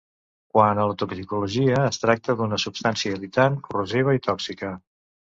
Quant a la toxicologia es tracta d'una substància irritant, corrosiva i tòxica.